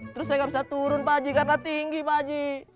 terus saya gak bisa turun pak ji karena tinggi pak ji